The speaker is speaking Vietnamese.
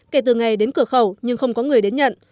kể từ ngày đến cửa khẩu nhưng không có người đến nhận